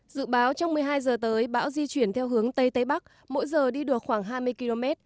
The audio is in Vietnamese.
dự báo trong một mươi hai h tới bão di chuyển theo hướng tây tây bắc mỗi giờ đi được khoảng hai mươi km